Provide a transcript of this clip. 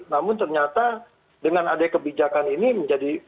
namun ternyata dengan adek kebijakan ini semuanya jadi berantakan